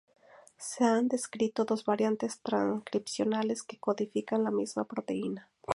Se han descrito dos variantes transcripcionales que codifican la misma proteína.